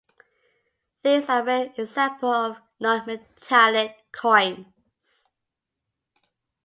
These are a rare example of non-metallic coins.